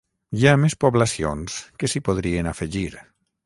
Hi ha més poblacions que s’hi podrien afegir.